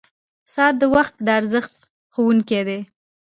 • ساعت د وخت د ارزښت ښوونکی دی.